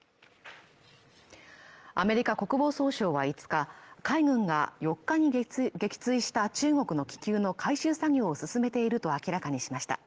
アメリカ国防総省は５日海軍が４日に撃墜した中国の気球の回収作業を進めていると明らかにしました